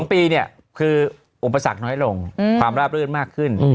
๒ปีเนี่ยคืออุปสรรคน้อยลงความราบรื่นมากขึ้น